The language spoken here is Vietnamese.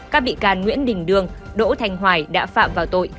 các bị can nguyễn đình đương đỗ thành hoài đã phạm vào tội